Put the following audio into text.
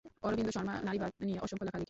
অরবিন্দ শর্মা নারীবাদ নিয়ে অসংখ্য লেখা লিখেন।